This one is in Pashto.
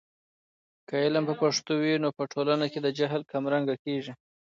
که علم په پښتو وي، نو په ټولنه کې د جهل کمرنګه کیږي.